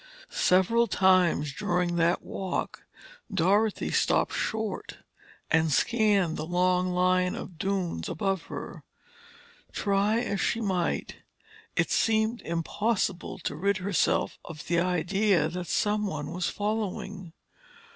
Several times during that walk, Dorothy stopped short and scanned the long line of dunes above her. Try as she might, it seemed impossible to rid herself of the idea that someone was following.